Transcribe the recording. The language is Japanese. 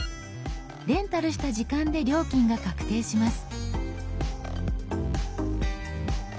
レンタルした時間で料金が確定します。